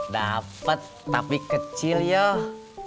dapet tapi kecil yoh